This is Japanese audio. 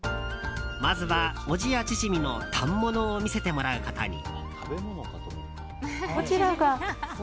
まずは小千谷縮の反物を見せてもらうことに。